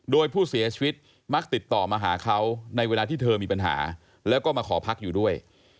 โดยผู้เสียชีวิตมักติดต่อมาหาเขาในเวลาที่เธอมีปัญหาแล้วก็มาขอพักอยู่ด้วย